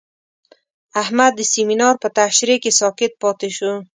احمد د سمینار په تشریح کې ساکت پاتې شو.